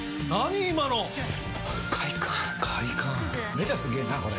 めちゃすげぇなこれ！